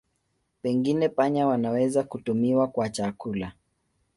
Pengine panya wanaweza kutumiwa kwa chakula.